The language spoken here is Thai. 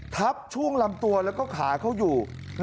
ทับช่วงลำตัวแล้วก็ขาเขาอยู่